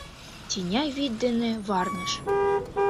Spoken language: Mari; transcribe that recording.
Тӱня вӱд дене варныш.